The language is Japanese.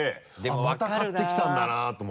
また買ってきたんだなと思って。